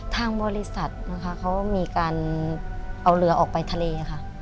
ทางบริษัทนะคะเขามีการเอาเรือออกไปทะเลค่ะ